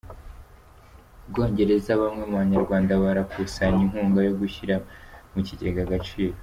U Bwongereza, Bamwe mu Banyarwanda barakusanya inkunga yo gushyira mu kigega Agaciro